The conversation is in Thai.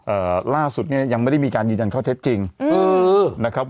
เอ่อล่าสุดเนี้ยยังไม่ได้มีการยืนยันข้อเท็จจริงเออนะครับ